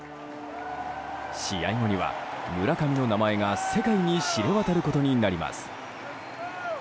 試合後には、村上の名前が世界に知れ渡ることになります。